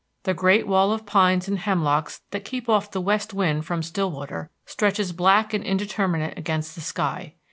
The great wall of pines and hemlocks that keep off the west wind from Stillwater stretches black and indeterminate against the sky.